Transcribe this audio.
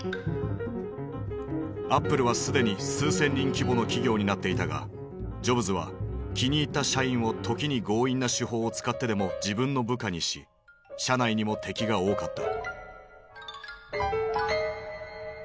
アップルはすでに数千人規模の企業になっていたがジョブズは気に入った社員を時に強引な手法を使ってでも自分の部下にし社内にも敵が多かった。